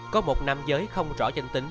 có một nam giới không rõ danh tính